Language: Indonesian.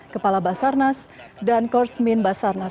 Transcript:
kepala basarnas dan korsmin basarnas